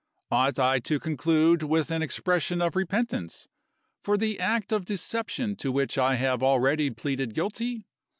Ought I to conclude with an expression of repentance for the act of deception to which I have already pleaded guilty?